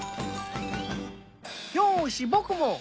よし僕も！